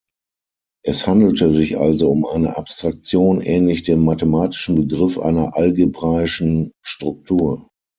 Es handelte sich also um eine Abstraktion ähnlich dem mathematischen Begriff einer algebraischen Struktur.